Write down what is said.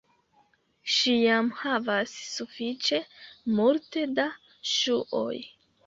Ŝi jam havas sufiĉe multe da ŝuoj